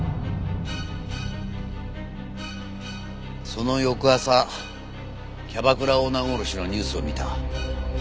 その翌朝キャバクラオーナー殺しのニュースを見た。